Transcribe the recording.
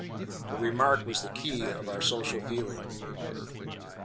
The remark was the key of our social feeling.